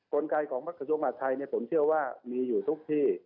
กลไกของกระทรวงมาตรไทยเนี่ยผมเชื่อว่ามีอยู่ทุกที่